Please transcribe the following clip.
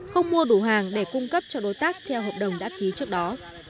không mua đủ hàng để cung cấp cho đối tác theo hợp đồng đã ký trước đó